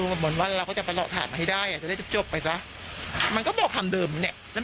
เอาภาพสิทธิ์ของเรานะถ้ามันไม่จริงอะถ้ามันจะพูดซ้ำไกลกระซับหน่อย